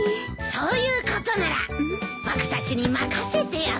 そういうことなら僕たちに任せてよ。